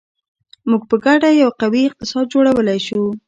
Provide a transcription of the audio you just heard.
موږ په ګډه یو قوي اقتصاد جوړولی شو.